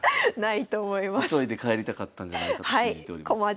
急いで帰りたかったんじゃないかと信じております。